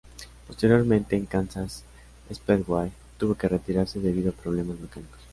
Posteriormente en Kansas Speedway tuvo que retirarse debido a problemas mecánicos.